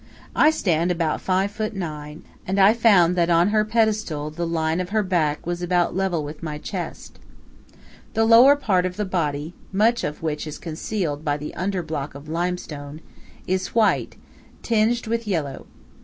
I stand about five foot nine, and I found that on her pedestal the line of her back was about level with my chest. The lower part of the body, much of which is concealed by the under block of limestone, is white, tinged with yellow.